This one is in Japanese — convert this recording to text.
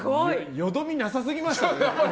よどみなさ過ぎましたね。